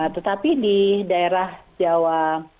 tetapi di daerah jawa